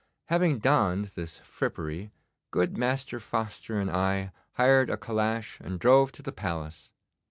Having donned this frippery, good Master Foster and I hired a calash and drove to the Palace.